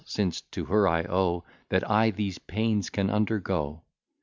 since to her I owe That I these pains can undergo.